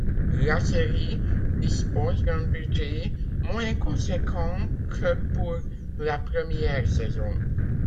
La série dispose d'un budget moins conséquent que pour la première saison.